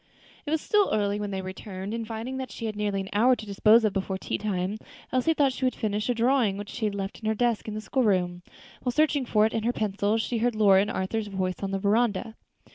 It was still early when they returned; and finding that she had nearly an hour to dispose of before tea time, Elsie thought she would finish a drawing which she had left in her desk in the school room. While searching for it and her pencil, she heard Lora's and Arthur's voices on the veranda.